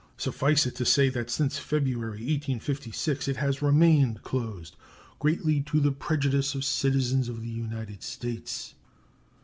Suffice it to say that since February, 1856, it has remained closed, greatly to the prejudice of citizens of the United States.